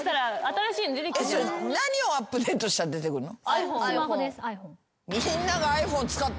何をアップデートしたら出てくるの？